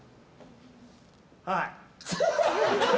はい！